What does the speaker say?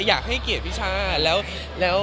อยากให้เกลียดพี่ช่า